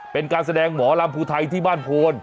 เป็นการแสดงหมอลำภูไทยที่บ้านโพน